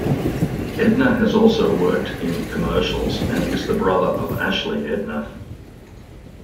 Edner has also worked in commercials and is the brother of Ashley Edner.